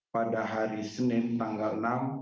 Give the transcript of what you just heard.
pada hari senin tanggal enam